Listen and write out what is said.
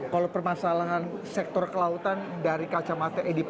kalau permasalahan sektor kelautan dari kacamata edp